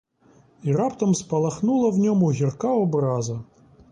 І раптом спалахнула в ньому гірка образа.